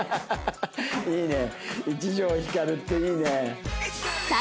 いいね。